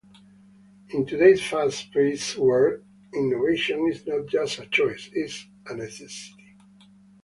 In today’s fast-paced world, innovation is not just a choice; it’s a necessity.